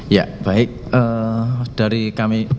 ya baik dari kami